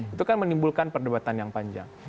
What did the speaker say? itu kan menimbulkan perdebatan yang panjang